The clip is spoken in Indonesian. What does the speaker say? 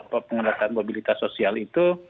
pengetatan mobilitas sosial itu